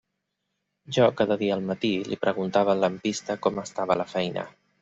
Jo cada dia al matí li preguntava al lampista com estava la feina.